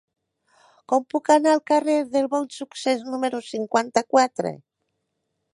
Com puc anar al carrer del Bonsuccés número cinquanta-quatre?